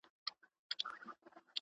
بې فایده وه چي وهله یې زورونه `